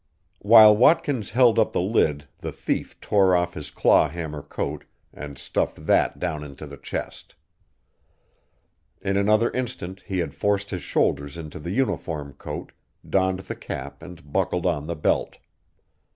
While Watkins held up the lid the thief tore off his claw hammer coat and stuffed that down into the chest. In another instant he had forced his shoulders into the uniform coat, donned the cap and buckled on the belt.